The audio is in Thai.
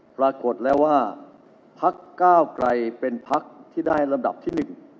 ปรากฏแล้วว่าพักก้าวไกรเป็นพักที่ได้ลำดับที่๑